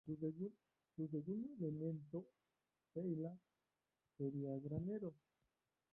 Su segundo elemento "-cella" sería 'granero'.